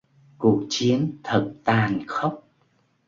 cuộc chiến thật tàn khốc